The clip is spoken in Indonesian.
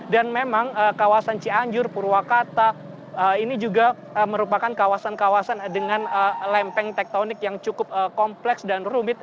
dan memang kawasan cianjur purwakarta ini juga merupakan kawasan kawasan dengan lempeng tektonik yang cukup kompleks dan rumit